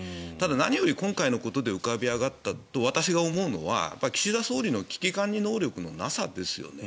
何より今回のことで浮かび上がったと私が思うのは、岸田総理の危機管理能力のなさですよね。